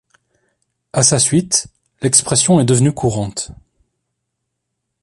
À sa suite, l'expression est devenue courante.